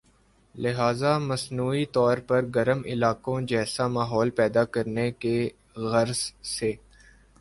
لہذا مصنوعی طور پر گرم علاقوں جیسا ماحول پیدا کرنے کی غرض سے